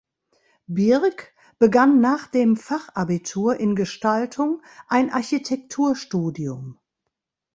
Birck begann nach dem Fachabitur in Gestaltung ein Architekturstudium.